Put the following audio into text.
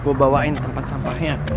gue bawain tempat sampahnya